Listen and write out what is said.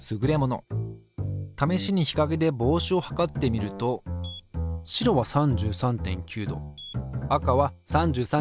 ためしにひかげで帽子を測ってみると白は３３．９℃赤は３３．６℃。